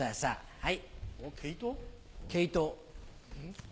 はい。